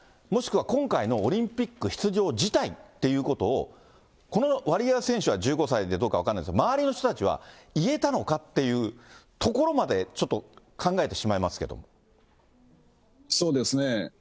もしくは今回のオリンピック出場辞退っていうことを、このワリエワ選手は１５歳でどうか分からないですけど、周りの人たちは言えたのかっていうところまで、ちょっと考えてしそうですね。